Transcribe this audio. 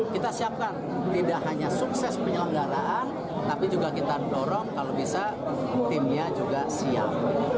kita siapkan tidak hanya sukses penyelenggaraan tapi juga kita dorong kalau bisa timnya juga siap